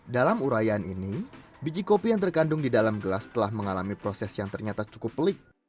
dalam urayan ini biji kopi yang terkandung di dalam gelas telah mengalami proses yang ternyata cukup pelik